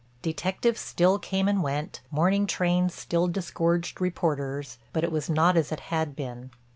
Detectives still came and went, morning trains still disgorged reporters, but it was not as it had been.